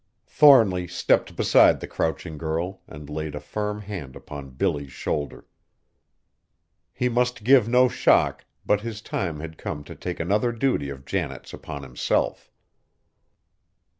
Thornly stepped beside the crouching girl and laid a firm hand upon Billy's shoulder. He must give no shock, but his time had come to take another duty of Janet's upon himself.